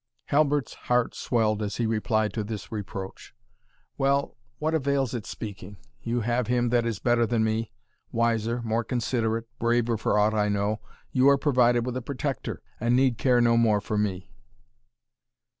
Halbert's heart swelled as he replied to this reproach. "Well what avails it speaking? you have him that is better than me wiser, more considerate braver, for aught I know you are provided with a protector, and need care no more for me."